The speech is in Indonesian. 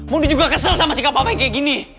mundi juga kesel sama sikap papa yang kayak gini